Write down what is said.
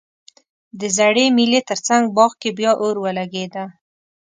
د زړې مېلې ترڅنګ باغ کې بیا اور ولګیده